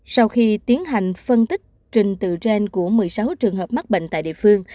sau khi tiến hành phân tích trình tự gen của một mươi sáu trường hợp mắc bệnh tại địa phương